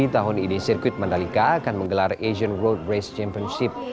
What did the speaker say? tahun ini sirkuit mandalika akan menggelar asian road race championship